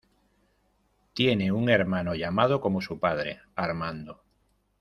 Tiene un hermano llamado como su padre, Armando.